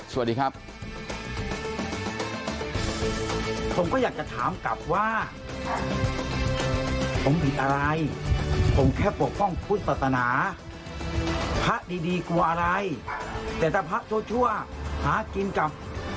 สวัสดีครับ